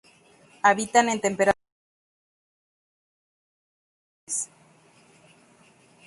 Habitan en temperaturas que matan a la mayoría de los demás animales.